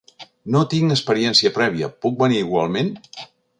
No tinc experiència prèvia, puc venir igualment?